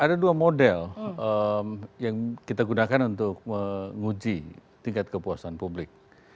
ada dua model yang kita gunakan untuk menguji tingkat kepuasan publik